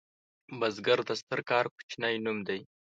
بزګر د ستر کار کوچنی نوم دی